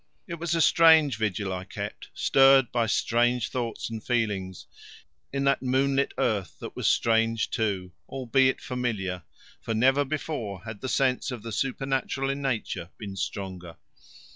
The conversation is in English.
It was a strange vigil I kept, stirred by strange thoughts and feelings, in that moonlit earth that was strange too, albeit familiar, for never before had the sense of the supernatural in Nature been stronger.